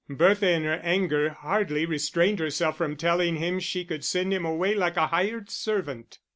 Bertha in her anger hardly restrained herself from telling him she could send him away like a hired servant.